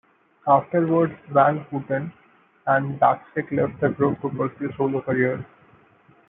Afterwards Van Houten and Bacsik left the group to pursue solo careers.